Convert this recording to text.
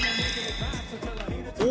お！